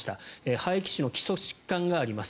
肺気腫の基礎疾患があります。